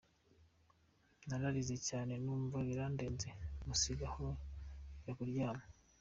Nararize cyane numva birandenze musiga aho njya kuryama.